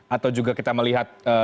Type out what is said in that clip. atau juga kita melihat